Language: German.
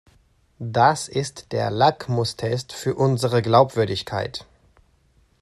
Das ist der Lackmus-Test für unsere Glaubwürdigkeit!